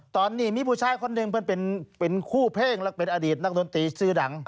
ตอนนี้มีผู้ชายคนหนึ่งเป็นคู่เพ่งและเป็นอดีตนักดนตรีชื่อดัง